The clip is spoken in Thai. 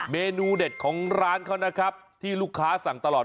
เมนูเด็ดของร้านเขานะครับที่ลูกค้าสั่งตลอด